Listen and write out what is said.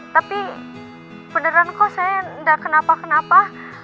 tapi beneran kok saya tidak kenapa kenapa